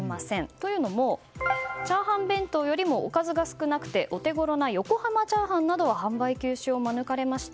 というのも炒飯弁当よりもおかずが少なくてお手頃な横濱チャーハンなどは販売休止を免れました。